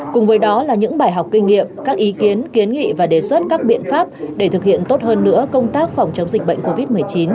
cùng với đó là những bài học kinh nghiệm các ý kiến kiến nghị và đề xuất các biện pháp để thực hiện tốt hơn nữa công tác phòng chống dịch bệnh covid một mươi chín